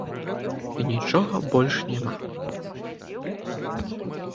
І нічога больш няма.